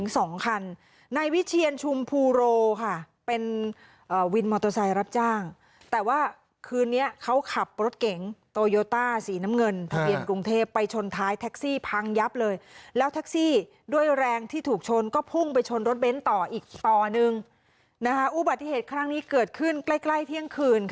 สัญญาณไฟเอ่ยกลวยจระลาจรเลย